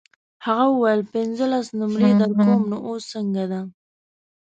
هغه وویل پنځلس نمرې درکوم نو اوس څنګه ده.